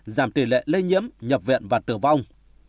giảm tỷ lệ lây nhiễm nhập viện và tử vong